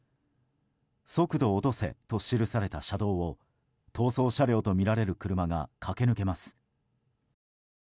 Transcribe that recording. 「速度落とせ」と記された車道を逃走車両とみられる車が駆け抜けます。